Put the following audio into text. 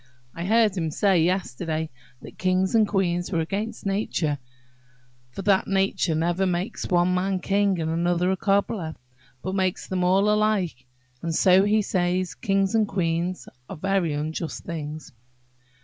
I heard him say yesterday, that kings and queens were against nature, for that nature never makes one man a king and another a cobbler, but makes them all alike; and so he says, kings and queens are very unjust things."